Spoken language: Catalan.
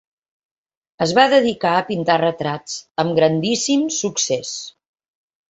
Es va dedicar a pintar retrats, amb grandíssim succés.